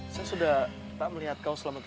saya sudah tak melihat kau selama ini